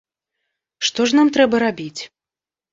Што ж нам трэба рабіць?